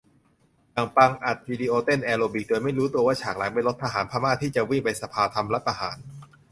อย่างปัง อัดวิดีโอเต้นแอโรบิค โดยไม่รู้ตัวว่าฉากหลังเป็นรถทหารพม่าที่จะวิ่งไปสภาทำรัฐประหาร